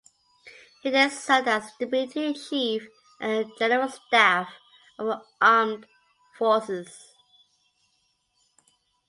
He then served as Deputy Chief of the General Staff of the Armed Forces.